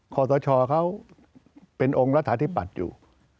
คตชเขาเป็นองค์รัฐธิบัตรอยู่